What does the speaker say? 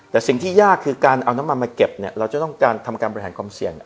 แต่สิ่งที่ยากคือการเอาน้ำมันมาเก็บเนี่ยเราจะต้องการทำการบริหารความเสี่ยง